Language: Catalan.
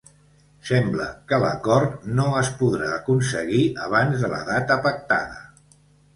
Sembla que l'acord no es podrà aconseguir abans de la data pactada